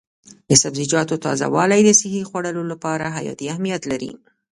د سبزیجاتو تازه والي د صحي خوړو لپاره حیاتي اهمیت لري.